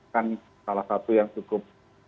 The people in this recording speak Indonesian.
kan salah satu yang cukup